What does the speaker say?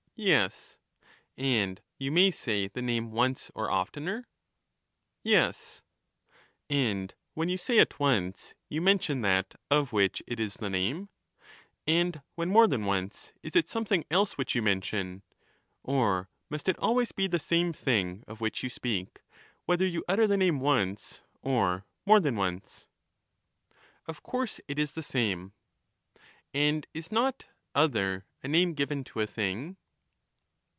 Yes. And you may say the name once or oftener ? Yes. And when you say it once, you mention that of which it is the name ? and when more than once, is it something else which you mention ? or must it always be the same thing of which you speak, whether you utter the name once or more than once ? Of course it is the same. And is not ' other ' a name given to a thing